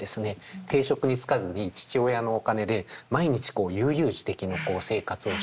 定職に就かずに父親のお金で毎日こう悠々自適の生活をしている。